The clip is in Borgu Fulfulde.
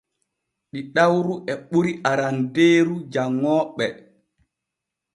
Ɗiɗawru e ɓuri arandeeru janŋooɓe.